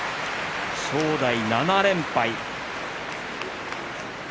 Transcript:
正代７連敗。